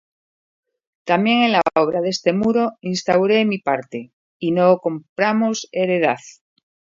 También en la obra de este muro instauré mi parte, y no compramos heredad: